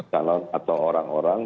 kalau atau orang orang